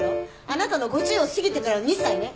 あなたの５０を過ぎてからの２歳ね。